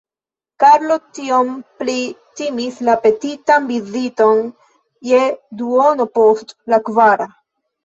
Karlo tiom pli timis la petitan viziton je duono post la kvara.